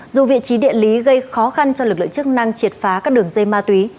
dù vị trí địa lý gây khó khăn cho lực lượng chức năng triệt phá các đường dây ma túy